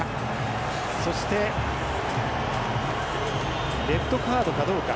そして、レッドカードかどうか。